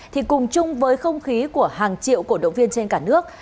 thì cùng chung với không khí của hàng triệu cổ động viên trên cả nước